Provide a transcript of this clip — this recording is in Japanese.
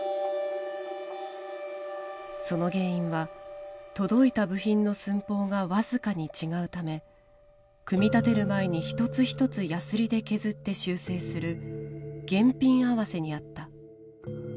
その原因は届いた部品の寸法が僅かに違うため組み立てる前に一つ一つヤスリで削って修正する「現品合わせ」にあった。